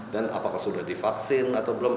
dan apakah sudah divaksin atau belum